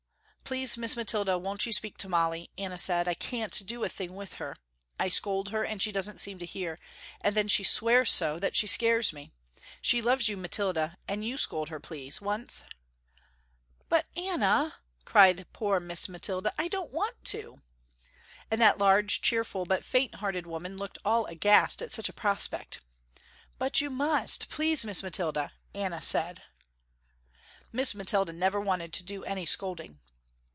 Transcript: "Please Miss Mathilda won't you speak to Molly," Anna said, "I can't do a thing with her. I scold her, and she don't seem to hear and then she swears so that she scares me. She loves you Miss Mathilda, and you scold her please once." "But Anna," cried poor Miss Mathilda, "I don't want to," and that large, cheerful, but faint hearted woman looked all aghast at such a prospect. "But you must, please Miss Mathilda!" Anna said. Miss Mathilda never wanted to do any scolding.